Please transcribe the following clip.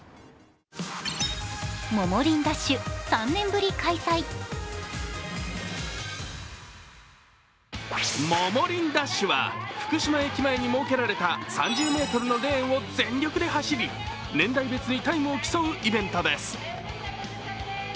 ももりんダッシュは福島駅前に設けられた３０ｍのレーンを全力で走り年代別にタイムを競うイベントです。